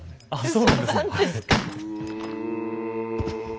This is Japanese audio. そうなんですか？